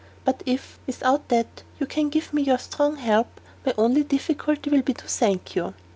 But if, without that, you can give me your strong help, my only difficulty will be to thank you."